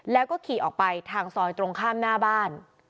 แล้วก็ขี่ออกไปทางซอยตรงข้ามหน้าบ้าน